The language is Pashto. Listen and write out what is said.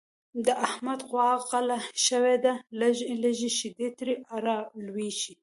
د احمد غوا غله شوې ده لږې لږې شیدې ترې را لوشي.